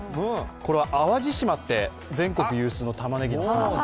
これは淡路島って全国有数のたまねぎの産地。